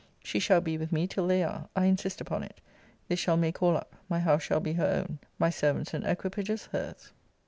She shall be with me till they are. I insist upon it. This shall make all up. My house shall be her own. My servants and equipages her's.